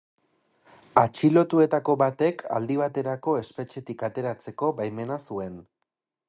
Atxilotuetako batek aldi baterako espetxetik ateratzeko baimena zuen.